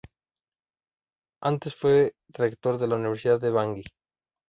Antes fue rector de la Universidad de Bangui.